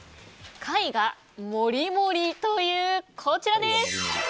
貝がモリモリという、こちら。